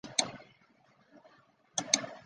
我们还有很多贷款要还